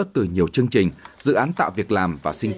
từ nhiều chương trình dự án tạo việc làm